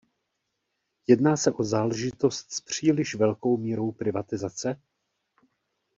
Jedná se o záležitost s příliš velkou mírou privatizace?